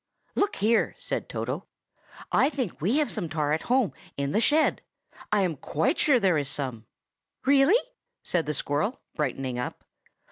"Look here!" said Toto, "I think we have some tar at home, in the shed. I am quite sure there is some." "Really?" said the squirrel, brightening up.